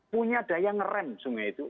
punya daya ngerem sungai itu